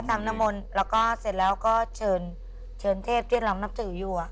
ทำเองไงแล้วก็เสร็จแล้วก็เชิญเทพเฮียดรองนับสื่ออยู่